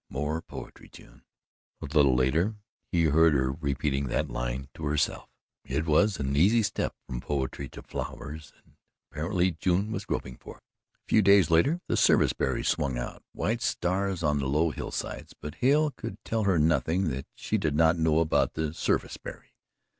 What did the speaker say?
More poetry, June." A little later he heard her repeating that line to herself. It was an easy step to poetry from flowers, and evidently June was groping for it. A few days later the service berry swung out white stars on the low hill sides, but Hale could tell her nothing that she did not know about the "sarvice berry."